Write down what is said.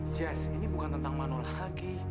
jess ini bukan tentang mano lagi